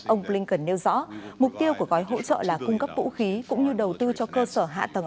ông blinken nêu rõ mục tiêu của gói hỗ trợ là cung cấp vũ khí cũng như đầu tư cho cơ sở hạ tầng